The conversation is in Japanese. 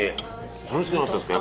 楽しくなかったですか？